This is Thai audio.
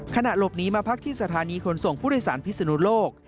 ขณะหลบหนีมาพักที่สถานีขนส่งผู้โดยสารพิศนุโลก